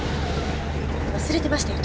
忘れてましたよ